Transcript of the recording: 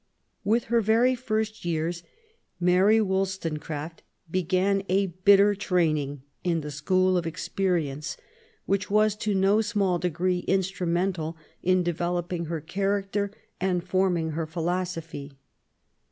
With her very first years Mary WoUstonecraft began a bitter training in the school of experience^ which was to no small degree instrumental in developing her character and forming her philosophy.